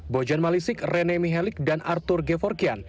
bojan malisik rené mihelik dan arthur gevorkian